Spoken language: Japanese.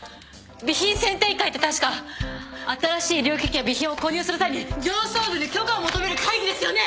備品選定委員会って確か新しい医療機器や備品を購入する際に上層部に許可を求める会議ですよね？